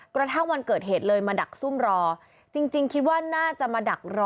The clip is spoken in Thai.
กระทั่งวันเกิดเหตุเลยมาดักซุ่มรอจริงคิดว่าน่าจะมาดักรอ